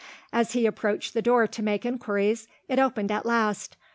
As he approached the door to make inquiries, it opened at last.